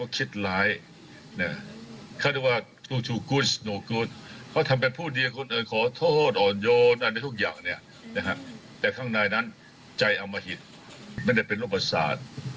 ใจเอามาหิดไม่ได้เป็นร่วมประสาท